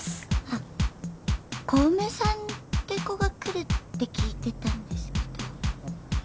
あっ小梅さんって子が来るって聞いてたんですけど。